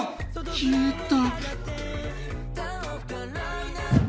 消えた。